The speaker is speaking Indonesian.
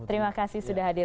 terima kasih sudah hadir